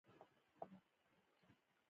فعالیتونو ستاینه کول.